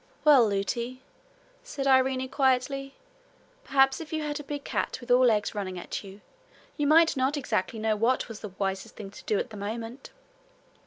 'Well, Lootie,' said Irene quietly, 'perhaps if you had a big cat, all legs, running at you, you might not exactly know what was the wisest thing to do at the moment.'